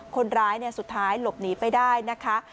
คนร้ายสุดท้ายหลบหนีไปได้นะคะ